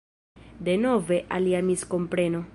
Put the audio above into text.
Denove alia miskompreno.